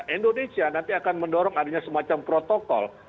indonesia nanti akan mendorong adanya semacam protokol